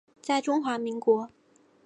在中华民国。